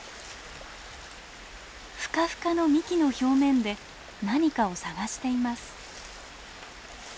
ふかふかの幹の表面で何かを探しています。